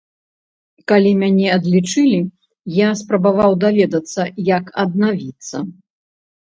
Калі мяне адлічылі, я спрабаваў даведацца, як аднавіцца.